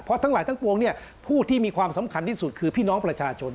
เพราะทั้งหลายทั้งปวงเนี่ยผู้ที่มีความสำคัญที่สุดคือพี่น้องประชาชน